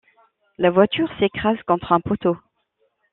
La voiture s'écrase contre un poteau.